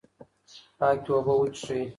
پاکې اوبه وڅښئ.